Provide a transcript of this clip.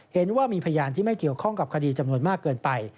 เห็นว่ามีพยานที่ไม่เกี่ยวข้องกับคดีจำนวนมากเกินไป